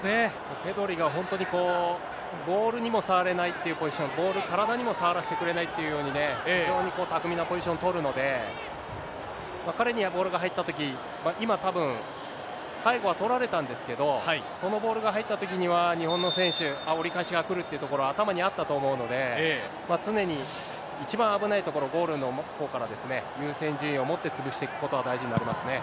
ペドリが本当に、ボールにも触れないというポジション、ボール、体にもさわらせてくれないっていうようにに、非常に巧みなポジションを取るので、彼にボールが入ったとき、今、たぶん背後は取られたんですけど、そのボールが入ったときには、日本の選手、折り返しが来るってところ、頭にあったと思うので、常に一番危ないところ、ゴールのほうから優先順位を持って潰していくことが大事になりま